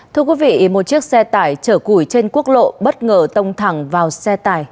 thưa quý vị một chiếc xe tải chở củi trên quốc lộ bất ngờ tông thẳng vào xe tải